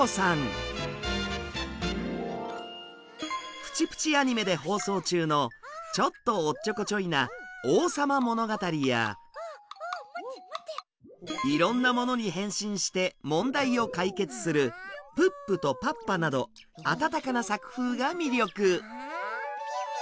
「プチプチ・アニメ」で放送中のちょっとおっちょこちょいな「王さまものがたり」やいろんなものに変身して問題を解決する「プップとパッパ」など温かな作風が魅力。